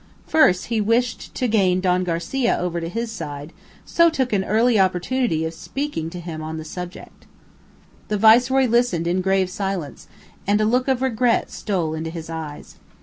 First he wished to gain Don Garcia over to his side, so took an early opportunity of speaking to him on the subject. The viceroy listened in grave silence, and a look of regret stole into his eyes.